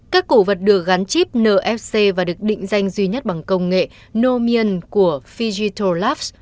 các cổ vật được gắn chip nfc và được định danh duy nhất bằng công nghệ nomion của fijitolabs